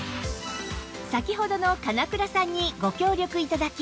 先ほどの神永倉さんにご協力頂き